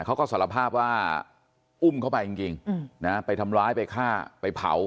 เขาก็สารภาพว่าอุ้มเข้าไปจริงนะไปทำร้ายไปฆ่าไปเผา